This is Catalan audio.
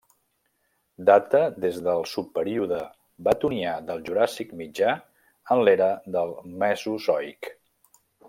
Data des del subperíode Bathonià del Juràssic mitjà, en l'era del Mesozoic.